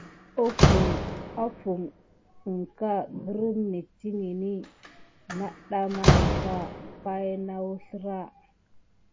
Fuŋ akà gərmà midikine nada ma gulfà iki pay na wuzlera tat.